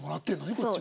こっちは。